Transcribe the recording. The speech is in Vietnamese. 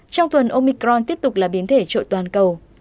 trong tuần omicron tiếp tục là biến thể trội toàn cầu